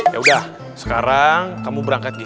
yaudah sekarang kamu berangkat g